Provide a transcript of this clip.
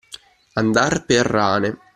Andar per rane.